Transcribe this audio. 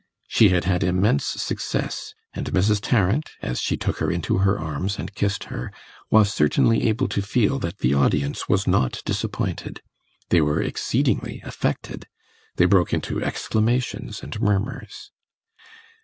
She had had immense success, and Mrs. Tarrant, as she took her into her arms and kissed her, was certainly able to feel that the audience was not disappointed. They were exceedingly affected; they broke into exclamations and murmurs.